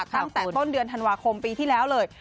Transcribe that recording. ตั้งแต่ต้นเดือนธันวาคมปีที่แล้วเลย